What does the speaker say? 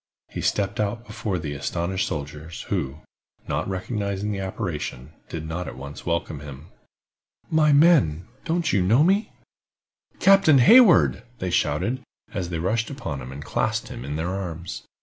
He stepped out before the astonished soldiers, who, not recognizing the apparition, did not at once welcome him. "My men, don't you know me?" "Captain Hayward!" they shouted, as they rushed upon him, and clasped him in their arms.